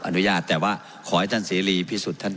อนุญาตแต่ว่าขอให้ท่านเสียหายพิสูจน์